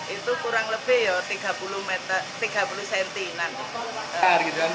itu kurang lebih tiga puluh cm